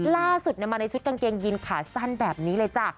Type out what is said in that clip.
ล่าสุดมาในชุดกางเกงยินขาสั้นแบบนี้เลยจ้ะ